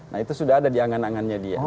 nah itu sudah ada di angan angannya dia